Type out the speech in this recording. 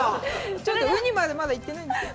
ちょっとウニまでまだいってないんだけど。